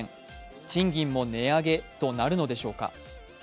賃金も値上げとなるのでしょうか。